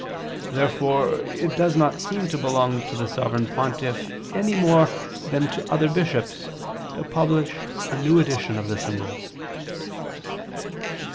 Therefore it does not seem to belong to the Sovereign Pontiff any more than to other bishops, to publish a new edition of the symbol.